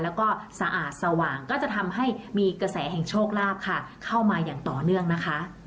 แล้วก็สะอาดสว่างก็จะทำให้มีกระแสแห่งโชคลาภค่ะเข้ามาอย่างต่อเนื่องนะคะ